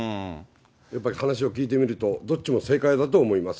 やっぱり話を聞いてみると、どっちも正解だと思います。